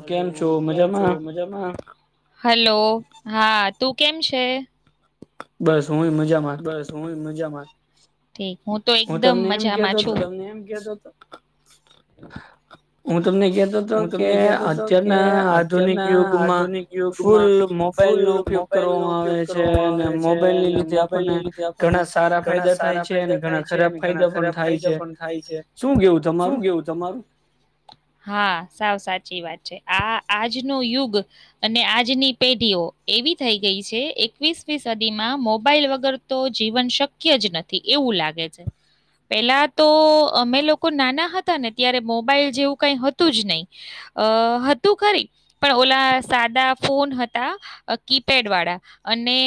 Hello, કેમ છો? મજામાં? હલો! હા, તું કેમ છે? બસ. બસ, હું મજામાં. ઠીક. હું તો એકદમ મજામાં છું. [inaudible] હું તમને કેતો હતો કે, અત્યારના આધુનિક યુગમાં ફૂલ મોબાઈલ નો ઉપયોગ કરવામાં આવે છે, અને મોબાઈલની લીધે. મા લીધે આપણને ઘણા સારા ફાયદા થાય છે, અને ઘણા ખરાબ ફાયદા પણ થાય છે. શું કેવું તમારું? હા, સાવ સાચી વાત છે. આ આજનો યુગ અને આજની પેઢીઓ એવી થઈ ગઈ છે. એકવીસમી સદી માં મોબાઈલ વખત. કરતો જીવન શક્ય જ નથી, એવું લાગે છે. પેલા તો અમે લોકો નાના હતા ને ત્યારે મોબાઈલ જેવું કંઈ હતું જ નહીં. અ હતું ખરી, પણ ઓલા સાદા ફોન હતા, કીપેડવાળા. અને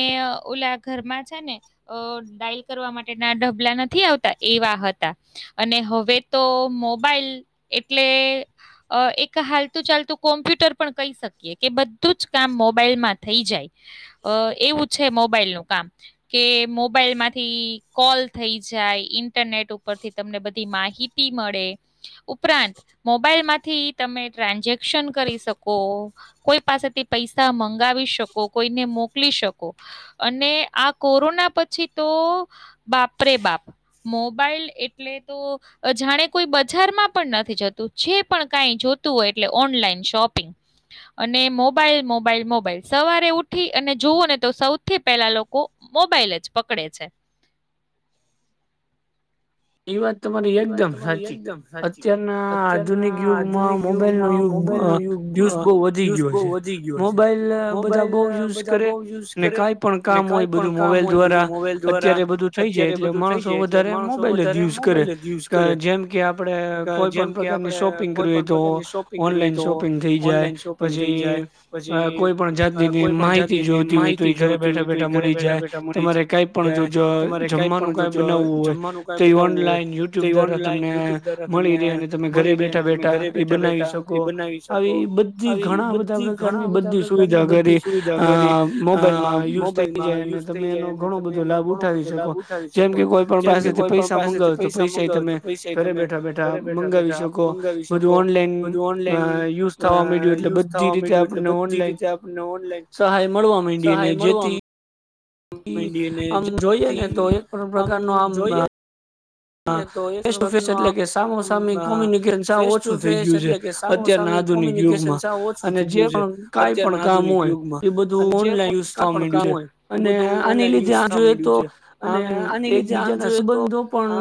ઓલા ઘરમાં. ને ડાઇલ કરવા માટેના ઢબલા નથી આવતા એવા હતા, અને હવે તો મોબાઈલ એટલે એક હાલતું ચાલતું કોમ્પ્યુટર પણ કહી શકીએ કે, બધું જ કામ મોબાઈલમાં થઈ જાય એવું છે. મોબાઈલનું કામ કે મોબાઈલમાંથી કોલ થઈ જાય, ઇન્ટરનેટ ઉપરથી તમને બધી માહિતી મળે. ઉપરાંત, મોબાઈલમાંથી તમે ટ્રાન્ઝેક્શન કરી શકો, કોઈ પાસેથી પૈસા મંગાવી શકો, કોઈને મોકલી શકો, અને આ. કોરોના પછી તો બાપરે બાપ, મોબાઈલ એટલે તો જાણે કોઈ બજારમાં પણ નથી જતું. જે પણ કઈ જોતું હોય, એટલે ઓનલાઈન શોપિંગ અને મોબાઈલ, મોબાઈલ, મોબાઈલ. સવારે ઉઠી અને જોવું ને, તો સૌથી પેલા લોકો. મોબાઈલ જ પકડે છે. એ વાત તમારી એકદમ સાચી. અત્યારના આધુનિક યુગમાં મોબાઈલ નો યુગ યુઝ બહુ વધી ગયો છે. મોબાઈલ બધા બહ યુઝ કરે, ને કંઈ પણ કામ હોય, બધું મોબાઈલ દ્વારા અત્યારે બધું થઈ જાય. એટલે માણસો વધારે મો. યુઝ કરે. જેમ કે આપડે કોઈ પણ પ્રકારની શોપિંગ કરવી હોય, તો ઓનલાઈન શોપિંગ થઈ જાય. પછી કોઈ પણ જાતની માહિતી જોતી હોય, તો એ ઘરે બેઠા બેઠા મળી જાય. તમારે કઈ પણ જો જમવાનું કઈ બનાવવું હોય. ઓનલાઈન. યૂટ્યુબ દ્વારા તમને મળી રહે, અને તમે ઘરે બેઠા બેઠા એ બનાવી શકો. આવી બધી ઘણા બધા પ્રકારની બધી સુવિધા કરી આ મોબાઈલમાં યુઝ થઈ જાય, અને તમે એનો ઘણો બધો લાભ ઉઠાવી શકો. જેમ કે, કોઈ પણ પાસેથી. [inaudible] તમે ઘરે બેઠા બેઠા મંગાવી શકો. બધું ઓનલાઈન યુઝ થવા માંડ્યું, એટલે બધી રીતે આપને ઓનલાઈન સહાય મળવા માંડી, અને જેથી. આમ જોઈએ ને, તો એક પણ પ્રકારનો આમ. હા ફેસ ટુ ફેસ, એટલે કે સામો- સામી કોમ્યુનિકેશન સાવ ઓછું થઈ ગયું છે અત્યારના આધુનિક યુગમાં, અને જે પણ કઈ પણ કામ હોય એ બધું ઓનલાઈન યુઝ થવા માંડ્યું છે, અને આની લીધે, આ જોઈએ તો આમ એકબીજાના સંબંધો પણ.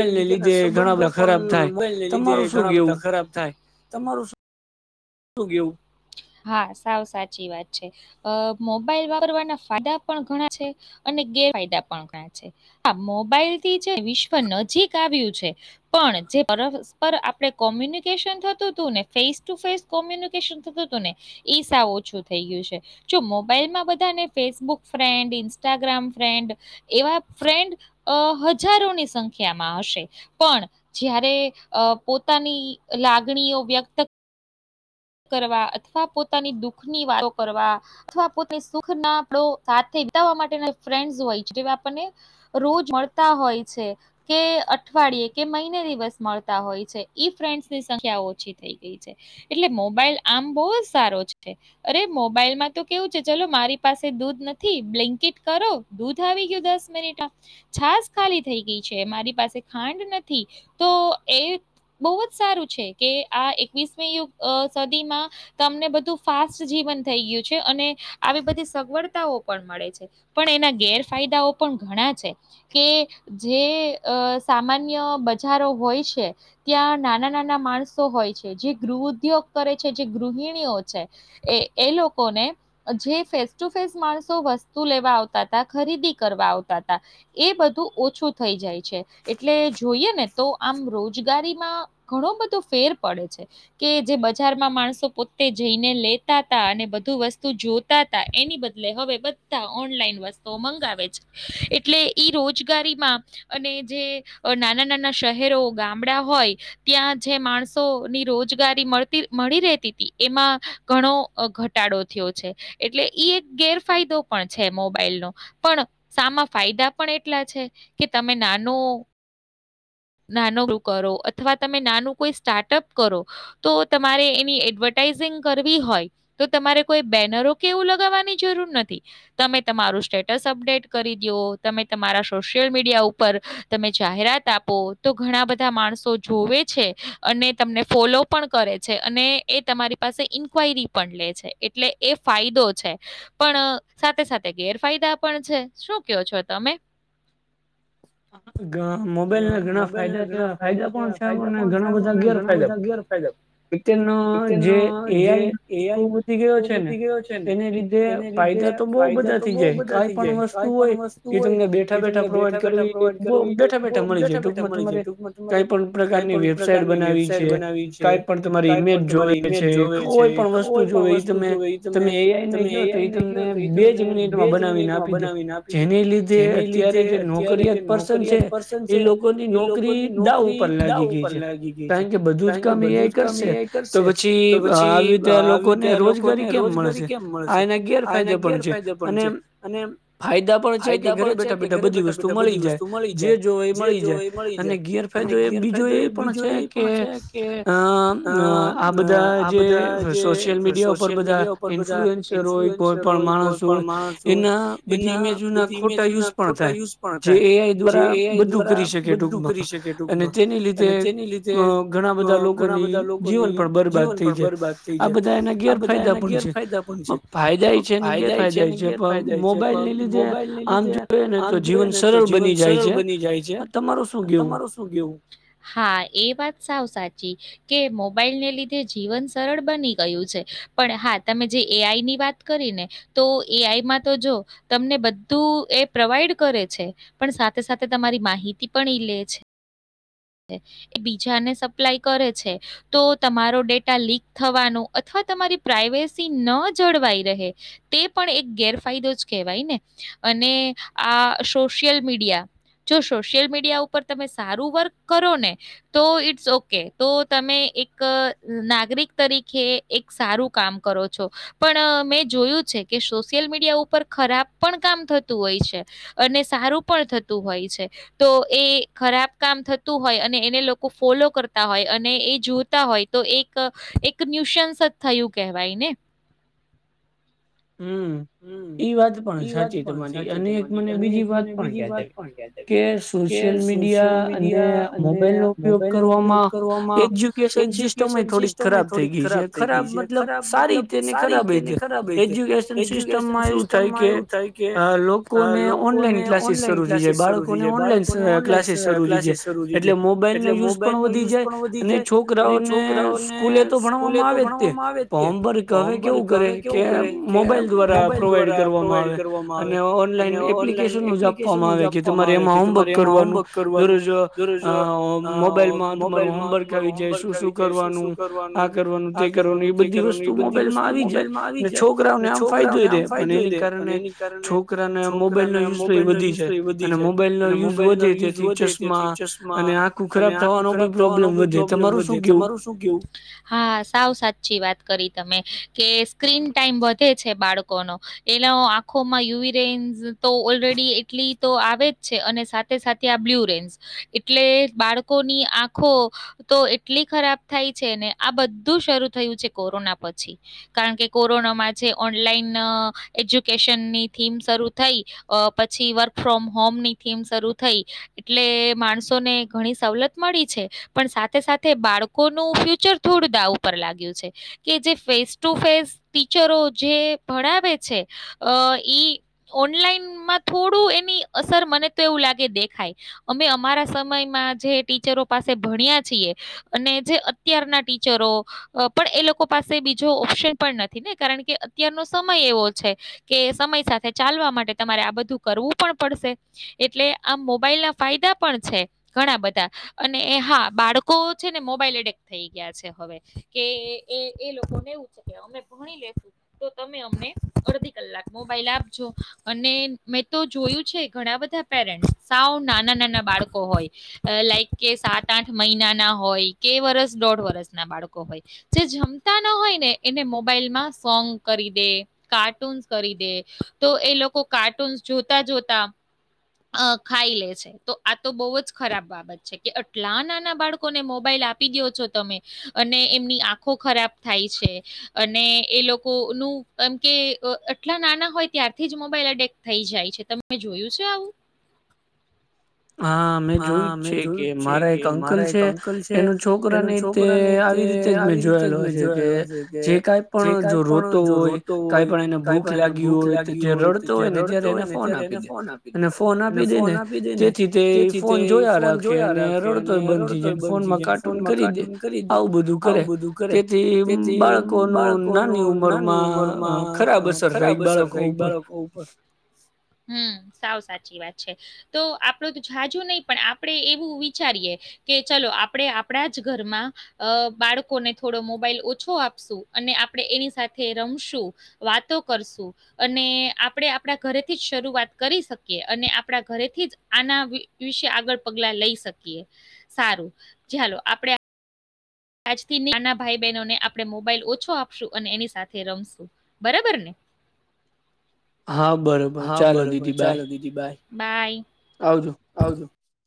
એકબીજા ના સંબંધો પણ ને લીધે ઘણા બધા ખરાબ થાય. તમારું. હા, સાવ સાચી વાત છે. મોબાઈલ વાપરવાના ફાયદા પણ ઘણા છે અને ગેરફાયદા પણ ઘણા છે. હા, મોબાઈલ થી જે વિશ્વ નજીક આવ્યું છે, પણ જે પરસ્પર આપણે કોમ્યુનિકેશન થતું હતું ને ફેસ ટુ ફેસ. કોમ્યુનિકેશન થતું હતું ને ઈ સાવ ઓછું થઈ ગયું છે. જો મોબાઈલમાં બધાને ફેસબુક ફ્રેન્ડ, ઇન્સ્ટાગ્રામ ફ્રેન્ડ એવા ફ્રેન્ડ હજારોની સંખ્યામાં હશે, પણ જ્યારે પોતાની લાગણીઓ વ્યક્ત. કરવા અથવા પોતાની દુઃખ ની વાતો કરવા અથવા પોતા સુખ ના આપડો સાથે બતાવા માટેના ફ્રેન્ડસ હોય, જે આપણને રોજ મળતા હોય છે કે અઠવાડિયે કે મહિને દિવસ મળતાં હોય છે. ફ્રેન્ડસ ની સંખ્યા ઓછી થઈ ગઈ છે એટલે. લ [unintelligible] આમ બહુ જ સારો છે! અરે, મોબાઈલમાં તો કેવું છે- ચલો, મારી પાસે દૂધ નથી, બ્લેન્કેટ કરો દૂધ આવી ગયું, દસ મિનિટ છાસ ખાલી થઈ ગઈ છે, મારી પાસે ખાંડ નથી. તો એ બહુ જ સારું છે કે આ એકવીસમી યુ. સદીમાં તમને બધું ફાસ્ટ જીવન થઈ ગયું છે અને આવી બધી સગવડતાઓ પણ મળે છે, પણ એના ગેરફાયદાઓ પણ ઘણા છે કે જે સામાન્ય બજારો હોય છે ત્યાં નાના- નાના માણસો હોય છે, જે ગૃહ ઉદ્યોગ. જે ગૃહિણીઓ છે, એ એ લોકોને જે ફેસ- ટુ-ફેસ માણસો વસ્તુ લેવા આવતા, ખરીદી કરવા આવતા હતા, એ બધું ઓછું થઈ જાય છે, એટલે જોઈએ ને તો આમ રોજગારીમાં ઘણો બધો ફેર પડે છે કે જે બધું. બજારમાં માણસો પોતે જઈને લેતા હતા અને બધું વસ્તુ જોતા હતા, એની બદલે હવે બધા ઓનલાઈન વસ્તુઓ મંગાવે છે, એટલે ઈ રોજગારીમાં અને જે નાના-નાના શહેરો, ગામડા હોય ત્યાં જે માણસોની રોજગારી મળતી. મળી રહેતી હતી, એમાં ઘણો ઘટાડો થયો છે, એટલે ઈ એક ગેરફાયદો પણ છે મોબાઈલનો. પણ શામાં ફાયદા પણ એટલા છે કે તમે નાનો. નાનું કરો અથવા તમે નાનું કોઈ સ્ટાર્ટઅપ કરો તો તમારે એની એડવર્ટાઈઝિંગ કરવી હોય તો તમારે કોઈ બેનરો કેવું લગાવવાની જરૂર નથી. તમે તમારું સ્ટેટસ અપડેટ કરી દો, તમે તમારા સોશિયલ મીડિયા ઉપર તમે જાહેરાત આપ. તો ઘણા બધા માણસો જોવે છે અને તમને ફોલો પણ કરે છે, અને એ તમારી પાસે ઇન્ક્વાયરી પણ લે છે, એટલે એ ફાયદો છે, પણ સાથે સાથે ગેરફાયદા પણ છે. શું કો છો તમે? હ ગા [unintelligible] મોબાઈલને ઘણા ફાયદા છે ફાયદા પણ છે અને ઘણા બધા ગેરફાયદા પણ. જે એ આઈ ન બી વધી ગયો છે ને, તેને લીધે ફાયદા તો બહુ બધા થઈ જાય- કંઈ પણ વસ્તુ હોય એ તમને બેઠા બેઠા પ્રોવાઈડ કરવી. કોક દીઠ એમ બેઠા બેઠા મળી છે, ત્યાં પણ કઈ પણ પ્રકારની વેબસાઈટ બનાવી છે, કંઈ પણ તમારી ઈમેજ જોવે છે, કોઈ પણ વસ્તુ જોવે, તમે તમે એ આઈ ન કયો તો એ તમને બે જ મિનિટમાં બનાવીને આપી દે, જેને લીધે અત્યારે જેો. [inaudible] એ લોકોની નોકરી દાવ ઉપર લાગી ગઈ છે, કારણ કે બધું જ કામ એઆઈ કરશે તો પછી આવી રીધ લોકોને રોજગારી કેમ મળશે? આ એના ગેરફાયદા પણ છે અને ફાયદા પણ છે કે ઘરે બેઠા બેઠા બધી વસ્તુ મળી જાય. તો મળી જાય. એ મળી જાય, અને ગેરફાયદો એ બીજો એ પણ છે, કે અ આ બધા જે સોશિયલ મીડિયા ઉપર બધા ઇન્ફલુઅન્સર હોય કોઈ પણ માણસ હોય એના બધી ઇમેજો ના ખોટા યુઝ પણ થાય, જે [unintelligible] દ્વારા બધું કરી શકે ટૂંકમાં, અને તેની લીધે ઘણા બધા લોકોની જીવન પણ બરબાદ થઈ જાય. આ બધા એના ગેરફાયદા પણ છે. ફાયદા એ છે, એને ગેરફાયદા એ છે, પણ મોબાઈલને લીધે આમ જોઈએ ને તો જીવન. [unintelligible] છે. [inaudible] [unintelligible] તમારું હા, એ વાત સાવ સાચી. કે મોબાઈલને લીધે જીવન સરળ બની ગયું છે, પણ હા, તમે જે એ આઈ ની વાત કરી ને તો એઆઈમાં તો જો તમને બધું એ પ્રોવાઈડ કરે છે, પણ સાથે સાથે. તમારી માહિતી પણ લે છે, એ બીજાને સપ્લાય કરે છે, તો તમારો ડેટા લીક થવાનો અથવા તમારી પ્રઇવેસી ન જળવાઈ રહે તે પણ એક ગેરફાયદો જ કહેવાય ને. અને આ સોશિયલ મીડિયા. જો સોશિયલ મીડિયા ઉપર તમે સારું વર્ક કરો ને તો ઈટ્સ ઓકે, તો તમે એક નાગરિક તરીકે એક સારું કામ કરો છો, પણ મેં જોયું છે, કે સોશિયલ મીડિયા ઉપર ખરાબ પણ કામ થતું હોય છે, અને સારું પણ થતું. હોય છે, તો એ ખરાબ કામ થતું હોય અને એને લોકો ફોલો કરતા હોય અને એ જોતા હોય તો એક એક ન્યુશંસ જ થયું કહેવાય ને? હમ, ઈ વાત પણ સાચી તમારી. અને એક મને બીજી વાત પણ યાદ આવી કે સોશિયલ મીડિયા અને [unintelligible] ઉપયોગ કરવામાં એજ્યુકેશન સિસ્ટમ થોડીક ખરાબ થઈ ગઈ છે, ખરાબ મતલબ સારી રીતે ને ખરાબ તે. એજ્યુકેશન. સિસ્ટમમાં એવું થાય કે લોકોને ઓનલાઈન ક્લાસીસ શરૂુ થઈ જાય, બાળકોને ઓનલાઈન ક્લાસીસ શરૂ થઈ જાય એટલે મોબાઈલ નો યુઝ પણ વધી જાય અને છોકરાઓને સ્કૂલે તો ભણવામાં આવે જ તે પણ હોમવર્ક હવે કેવું કરે. [unintelligible] દ્વારા પ્રોવાઈડ કરવામાં આવે અને ઓનલાઈન એપ્લિકેશન જ આપવામાં આવે કે તમારે એમાં હોમવર્ક કરવાનું દરરોજ મોબાઈલમાં તમારું હોમવર્ક આવી જાય શું શું કરવાનું, આ કરવાનું, તે કરવાનું એ બધી વસ્તુ મોબાઈલમાં આવી જાય. [inaudible] છોકરાઓને આમ ફાયદો રેય પણ એની કારણે છોકરાને મોબાઈલ નો યુઝ વધી જાય અને મોબાઈલ નો યુઝ વધે તેથી ચશ્મા અને આંખો ખરાબ થવાનો પ્રોબ્લેમ વધે તમારું શું કેવું? હા, સાવ સાચી વાત કરી તમે. સ્ક્રીન ટાઈમ વ [unintelligible] બાળકોનો એના આંખોમાં યુવી રેન્સ તો ઓલરેડી એટલી તો આવે જ છે, અને સાથે સાથે આ બ્લુ રેન્સ એટલે બાળકોની આંખો તો એટલી ખરાબ થાય છે, ને આ બધું શરૂ થયું છે, કોરોના પછી કારણ કે કોરોનામાં જે ઓનલાઈન એજ્યુકેશનની થીમ શરૂ થઈ પછી વર્ક ફ્રોમ હોમની થીમ શરૂ થઈ એટલે માણસોને ઘણી સવલત મળી છે, પણ સાથે સાથે બાળકોનું ફ્યુચર થોડું દાવ ઉપર લાગ્યું છે, કે જે ફેસ ટુ ફેસ ટીચરો જે ભણાવે છે અ ઈ ઓનલાઈનમાં થોડું એની અસર મને તો એવું લાગે દેખાય અમે અમારા સમયમાં જે ટીચરો પાસે ભણ્યા છીએ અને જે અત્યારના ટીચરો પણ એ લોકો પાસે બીજો ઓપ્શન પણ નથી ને કારણ કે અત્યારનો સમય એવો છે કે સમય સાથે ચાલવા માટે તમારે આ બધું કરવું પણ પડશે એટલે આમ મોબાઈલ ના ફાયદા પણ છે, ઘણા બધા અને હા બાળકો છે, ને મોબાઈલ એડક્ટ થઈ ગયા છે, હવે કે એ એ લોકોને એવું છે કે અમે ભણી તો તમે અમને અડધી કલાક મોબાઈલ આપજો અને મેં તો જોયું છે, ઘણા બધા પેરેન્ટ્સ સાવ નાના નાના બાળકો હોય લાઈક કે સાત આઠ મહિના ના હોય કે વરસ દોઢ વરસ ના બાળકો હોય જે જમતા ના હોય ને એને મોબાઈલમાં સોંગ કરી દે કાર્ટૂનસ કરી દે તો એ લોકો કાર્ટૂન્સ જોતા જોતા ખાઈ લે છે, તો આ તો બહુ જ ખરાબ બાબત છે, કે આટલા નાના બાળકોને મોબાઈલ આપી ગયો છો તમે અને એમની આંખો ખરાબ થાય છે, અને એ લોકો કો નું એમ કે આટલા નાના હોય ત્યારથી જ મોબાઈલ એડક્ટ થઈ જાય છે, તમે જોયું છે આવું? હા મેં જોયું જ છે કે મારા એક અંકલ છે એનો છોકરા ને તે આવી રીતે જ મેં જોયેલો છે કે જે કાઈ પણ જો રો હોય કાઈ પણ એને ભૂખ લાગી હોય, રડતો હોય ને ત્યારે એને ફોન આપી દે અને ફોન આપી દેને તેથી તે ફોન જોયા રાખે અને રડતોય બંધ થઈ જાય ફોનમાં કાર્ટૂન કરી દે આવું બધું કરે તેથી બાળકોનું નાની ઉંમર નાની ઉમર માં ખરાબ અસર થાય બાળકો ઉપર. [unintelligible] સાવ સાચી વાત છે, તો આપરું તો [unintelligible] નય પણ આપણે એવું વિચારીએે કે ચલો આપણેે આપણા જ ઘરમાં અ બાળકોને થોડો મોબાઈલ ઓછો આપશું અને આપણે એની સાથે રમશું, વાતો કરશું અને આપણે આપણા ઘરેથી જ શરૂઆત કરી શકીએ અને આપણા ઘરેથી જ આના વિશે આગળ પગલા લઈ શકીએ સારું ચાલો આપણે આજથી નાના ભાઈ બહેનોને આપણે મોબાઈલ ઓછો આપશું અને એની સાથે રમશું બરાબર ને? હા, બરોબર ચાલો દીદી બાય. બાય. આવજો.